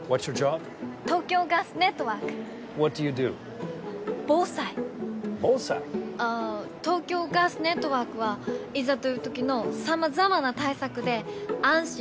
あ東京ガスネットワークはいざという時のさまざまな対策で安心・安全を守っています！